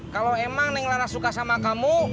kalau emang neng laras suka sama kamu